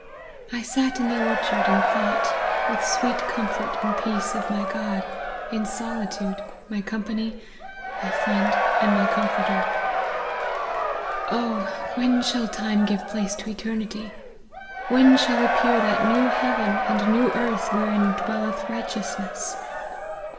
I sat in the orchard, and thought, with sweet comfort and peace, of my God ; in solitude, my company, my friend and comforter. Oh ! when shall time give place to eternity ! When shall appear that new heaven and new earth wherein dwelleth righteousness